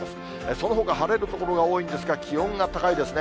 そのほか晴れる所が多いんですが、気温が高いですね。